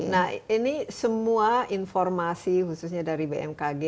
nah ini semua informasi khususnya dari bmkg